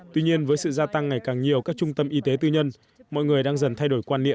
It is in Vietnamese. tuy nhiên với sự gia tăng ngày càng nhiều các trung tâm y tế tư nhân mọi người đang dần thay đổi quan niệm